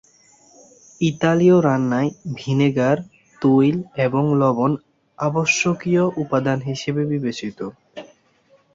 ইতালীয় রান্নায় ভিনেগার, তৈল এবং লবণ আবশ্যকীয় উপাদান হিসেবে বিবেচিত।